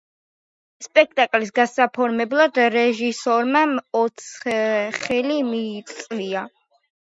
სპექტაკლის გასაფორმებლად რეჟისორმა ოცხელი მიიწვია.